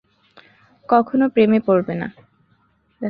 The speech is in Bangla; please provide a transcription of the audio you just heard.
কখনো প্রেমে পড়বে না।